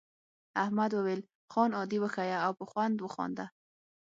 احمد وویل خان عادي وښیه او په خوند وخانده.